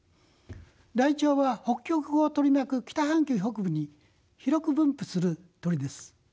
ライチョウは北極を取り巻く北半球北部に広く分布する鳥です。